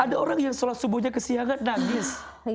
ada orang yang sholat subuhnya kesiangan nangis